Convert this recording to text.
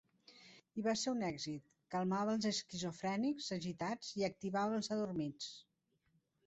I va ser un èxit; calmava els esquizofrènics agitats i activava els adormits.